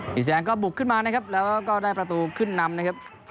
สีแดงก็บุกขึ้นมานะครับแล้วก็ได้ประตูขึ้นนำนะครับ